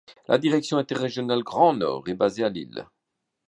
La direction interrégionale Grand Nord est basée à Lille.